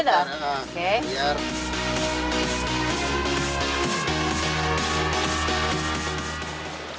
iya harus diputer puter